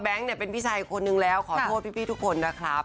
แบนก์เนี่ยเป็นพี่ชายคนหนึ่งแล้วขอโทษพี่พี่ทุกคนนะครับ